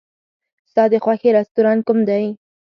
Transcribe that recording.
ستا د خوښې رستورانت کوم دی؟